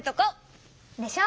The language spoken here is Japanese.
でしょ。